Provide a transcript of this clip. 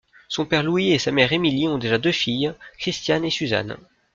Son père Louis et sa mère Émilie ont déjà deux filles, Christiane et Suzanne.